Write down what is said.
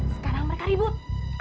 sekarang mereka ribut